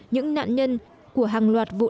những nạn nhân của hàng loạt vụ